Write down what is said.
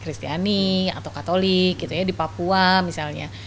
kristiani atau katolik gitu ya di papua misalnya